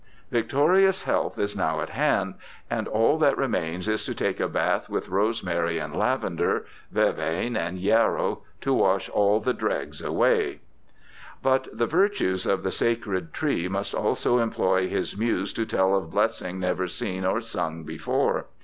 Victorious health is now at hand, and all that remains is to take a bath with rosemary and lavender, vervain and yarrow, to wash all the dregs away. u 2 292 BIOGRAPHICAL ESSAYS But the virtues of the ' sacred tree ' must also employ his muse to tell of blessing never seen or sung before.